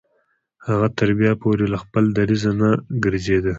هغه تر بريا پورې له خپل دريځه نه ګرځېده.